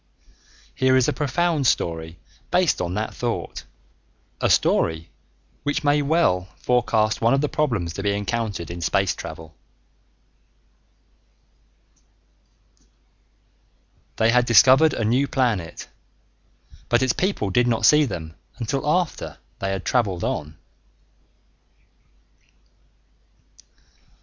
Here is a profound story based on that thought a story which may well forecast one of the problems to be encountered in space travel._ lost in the future by ... John Victor Peterson They had discovered a new planet but its people did not see them until after they had traveled on.